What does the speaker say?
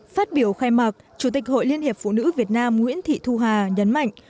phát biểu khai mạc chủ tịch hội liên hiệp phụ nữ việt nam nguyễn thị thu hà nhấn mạnh